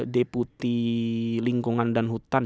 deputi lingkungan dan hutan